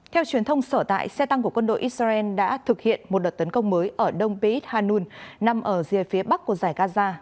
theo truyền thông sở tại xe tăng của quân đội israel đã thực hiện một đợt tấn công mới ở đông p hanun nằm ở rìa phía bắc của giải gaza